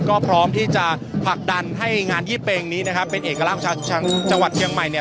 ก็พร้อมที่จะผลักดันให้งานยี่เปงนี้นะครับเป็นเอกลักษณ์จังหวัดเชียงใหม่เนี่ย